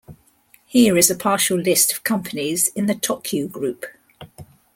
Here is a partial list of companies in the Tokyu Group.